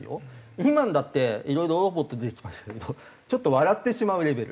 今のだっていろいろロボット出てきましたけどちょっと笑ってしまうレベル。